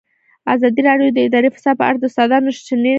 ازادي راډیو د اداري فساد په اړه د استادانو شننې خپرې کړي.